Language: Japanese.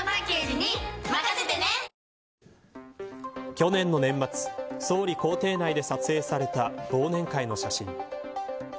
去年の年末総理公邸内で撮影された忘年会の写真。